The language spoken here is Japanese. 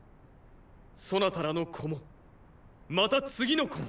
そなたらの子もまた次の子も。